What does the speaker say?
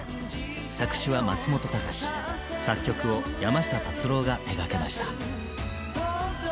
作詞は松本隆作曲を山下達郎が手がけました。